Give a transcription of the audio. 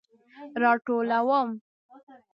راټولوم